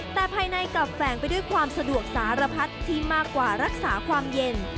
แต่ภายในกลับแฝงไปด้วยความสะดวกสารพัดที่มากกว่ารักษาความเย็น